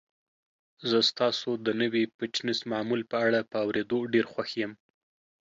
زه ستاسو د نوي فټنس معمول په اړه په اوریدو ډیر خوښ یم.